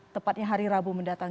tepatnya hari rabu mendatang